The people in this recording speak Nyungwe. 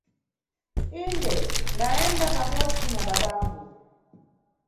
Inde, ndayenda pabodzi na babangu.